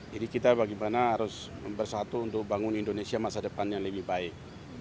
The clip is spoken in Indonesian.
jadi kita bagaimana harus bersatu untuk bangun indonesia masa depan yang lebih baik